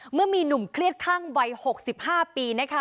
เมื่อมีหนุ่มเครียดข้างวัย๖๕ปี